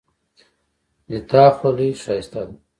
د تا خولی ښایسته ده